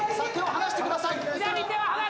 離してください。